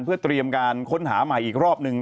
เพื่อเตรียมการค้นหาใหม่อีกรอบหนึ่ง